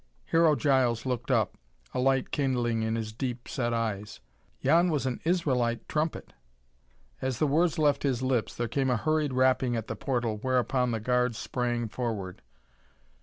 Hero Giles looked up, a light kindling in his deep set eyes. "Yon was an Israelite trumpet." As the words left his lips there came a hurried rapping at the portal, whereupon the guards sprang forward.